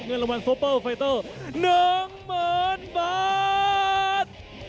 เหนือรางวัลโฟร์ไฟเตอร์๙๐๐๐บาท